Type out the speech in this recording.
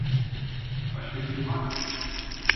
Başka biri var mı?